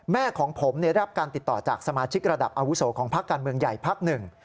แม่ของผมได้รับการติดต่อจากสมาชิกระดับอาวุโสของพักการเมืองใหญ่พักหนึ่ง